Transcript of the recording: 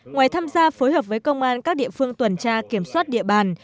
ngoài tham gia phối hợp với công an các địa phương tuần tra kiểm soát địa bàn